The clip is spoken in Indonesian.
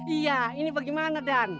iya ini bagaimana dan